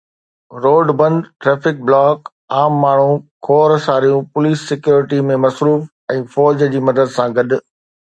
Road بند، traffic block, عام ماڻهو کوڙ ساريون پوليس سيڪيورٽي ۾ مصروف ۽ فوج جي مدد سان گڏ.